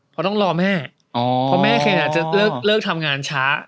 เพราะต้องรอแม่เพราะแม่เคนอาจจะเลิกทำงานช้า